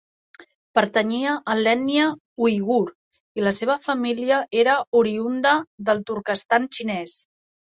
Pertanyia a l'ètnia uigur i la seva família era oriünda del Turquestan xinès.